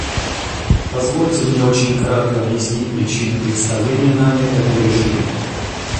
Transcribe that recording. Позвольте мне очень кратко объяснить причины представления нами этого решения.